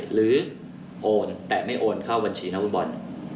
หรือโอนแต่ไม่โอนเข้าบัญชีนักฟุตบอล